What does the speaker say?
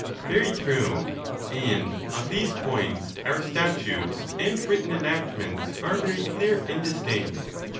—Very true; and on these points our statutes and written enactments are very clear and distinct.